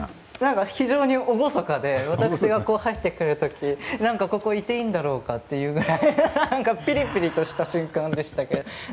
非常に厳かで私が入ってくるときここ、いていいんだろうかというぐらいピリピリした瞬間でしたけども。